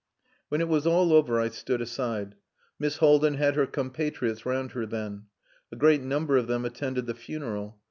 When it was all over I stood aside. Miss Haldin had her compatriots round her then. A great number of them attended the funeral.